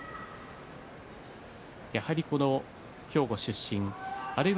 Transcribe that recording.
やはり兵庫出身、あるいは